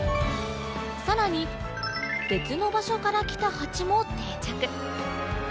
さらに別の場所から来たハチも定着